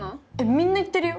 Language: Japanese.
みんな言ってるよ。